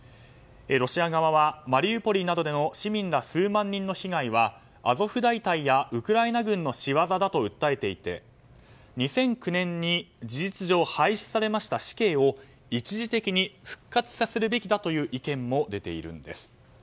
ロシア側はマリウポリなどでも市民ら数万人の被害はアゾフ大隊やウクライナ軍の仕業だと訴えていて２００９年に事実上廃止された死刑を一時的に復活させるべきだという意見も出ているんです。